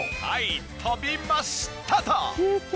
はい飛びましたと。